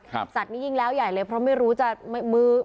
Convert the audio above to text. สัตว์นี้ยิ่งแล้วใหญ่เลยเพราะไม่รู้จะมือ